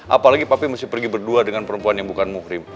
apalagi papi mesti pergi berdua dengan perempuan yang bukan mukrim